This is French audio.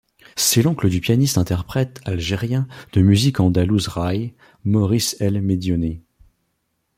C'est l'oncle du pianiste interprète algérien de musique andalouse raï, Maurice El Médioni.